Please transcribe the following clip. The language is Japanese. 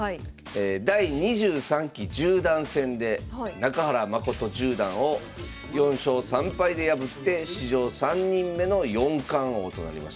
第２３期十段戦で中原誠十段を４勝３敗で破って史上３人目の四冠王となりました。